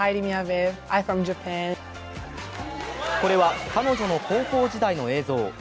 これは彼女の高校時代の映像。